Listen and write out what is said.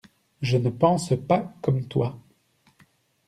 Je ne pense pas comme toi.